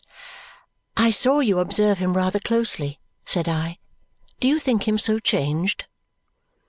"I saw you observe him rather closely," said I, "Do you think him so changed?"